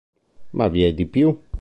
Ma vi è di più.